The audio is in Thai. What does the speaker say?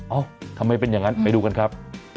เอ้าทำไมเป็นอย่างนั้นไปดูกันครับ